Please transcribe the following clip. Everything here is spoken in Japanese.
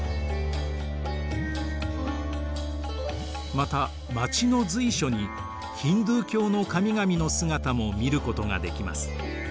また街の随所にヒンドゥー教の神々の姿も見ることができます。